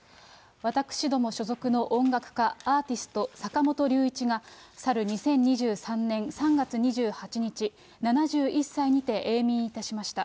私ども所属の音楽家、アーティスト、坂本龍一が、去る２０２３年３月２８日、７１歳にて永眠いたしました。